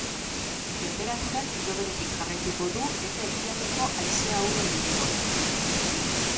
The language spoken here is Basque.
Tenperaturak ildo beretik jarraituko du eta ekialdeko haize ahula ibiliko da.